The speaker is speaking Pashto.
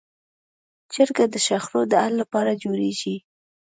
جرګه د شخړو د حل لپاره جوړېږي